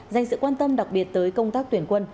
dành sự quan tâm đặc biệt tới công tác tuyển quân